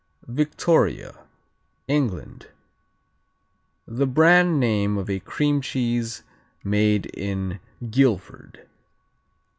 Victoria England The brand name of a cream cheese made in Guilford.